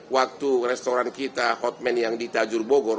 waktu restoran kita hotman yang ditajur bogor